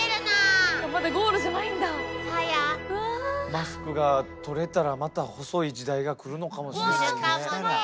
マスクが取れたらまた細い時代が来るのかもしれないね。